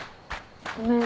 ごめん。